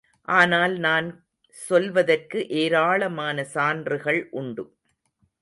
ஆனால் நான் சொல்வதற்கு ஏராளமான சான்றுகள் உண்டு.